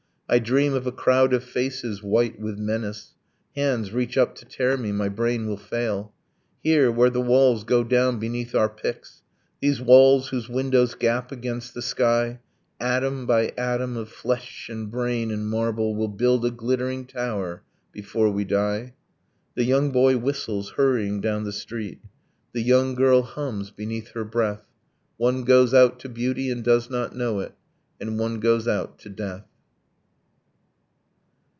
I dream of a crowd of faces, white with menace. Hands reach up to tear me. My brain will fail. Here, where the walls go down beneath our picks, These walls whose windows gap against the sky, Atom by atom of flesh and brain and marble Will build a glittering tower before we die ... The young boy whistles, hurrying down the street, The young girl hums beneath her breath. One goes out to beauty, and does not know it. And one goes out to death.